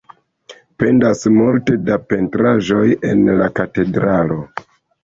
Pendas multe da pentraĵoj en la katedralo.